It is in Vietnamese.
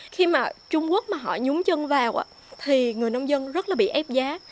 khi mà trung quốc mà họ nhúng chân vào thì người nông dân rất là bị ép giá